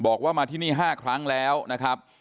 บอกว่ามาที่นี่๕ครั้งแล้วนะครับ